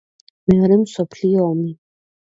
მეორე მსოფლიო ომი.